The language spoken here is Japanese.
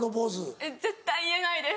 えっ絶対言えないです。